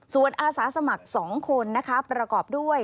ส่วนอาสาสมัคร๒คนนะคะประกอบด้วย